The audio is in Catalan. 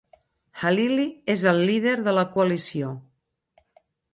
Halili és el líder de la coalició.